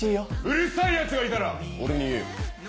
うるさいヤツがいたら俺に言えよ。